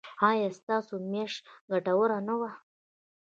ایا ستاسو میاشت ګټوره نه وه؟